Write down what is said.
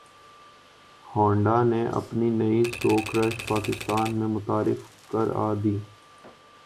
Honda نے اپنی نئی سوک رش پاکستان میں متعارف کرا دی ہے